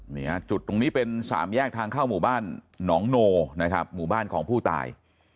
เนี่ยจุดตรงนี้เป็นสามแยกทางเข้าหมู่บ้านหนองโนนะครับหมู่บ้านของผู้ตาย